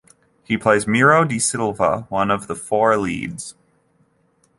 He plays Miro Da Silva, one of the four leads.